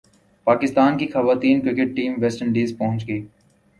پاکستان کی خواتین cricket team West Indies پہنچ گئی